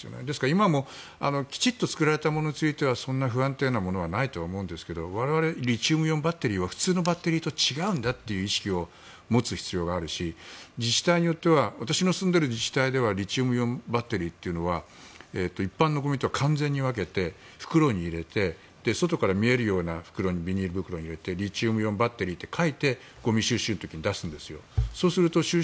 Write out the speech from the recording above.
今、普通に作られたものはそんな不安定なものはないと思うんですがリチウムイオンバッテリーは普通のバッテリーと違うんだという意識を持つ必要があっては私が住んでいる自治体はリチウムイオンバッテリーは一般のゴミと完全に分けて袋に入れて外から見えるようなビニール袋に入れてリチウムイオンバッテリーと書いて出すんですよ。